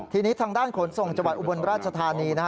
ทีนี้ทางด้านขนส่งจังหวัดอุบลราชธานีนะฮะ